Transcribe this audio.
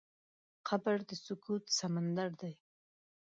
قبر د سکوت سمندر دی.